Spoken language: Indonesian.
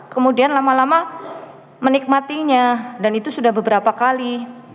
kemudian lama lama menikmatinya dan itu sudah beberapa kali